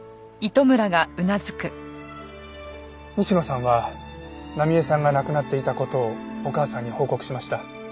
西野さんは奈美絵さんが亡くなっていた事をお母さんに報告しました。